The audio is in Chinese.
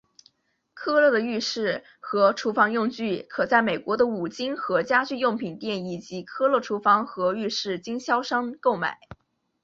科勒的浴室和厨房用具可在美国的五金和家居用品店以及科勒厨房和浴室经销商购买。